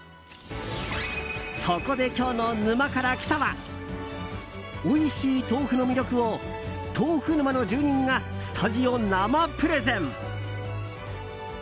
そこで今日の「沼から来た。」はおいしい豆腐の魅力を豆腐沼の住人がスタジオ生プレゼン。